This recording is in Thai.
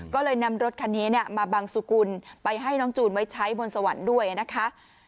ก็เลยนำรถคันนี้มาบังสุกุลไปให้น้องจูนไว้ใช้บนสวรรค์ด้วยนะคะ